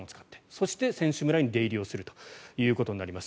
そして選手村に出入りすることになります。